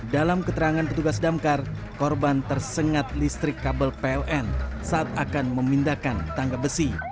dalam keterangan petugas damkar korban tersengat listrik kabel pln saat akan memindahkan tangga besi